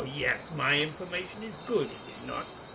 yes, my information is good, is it not?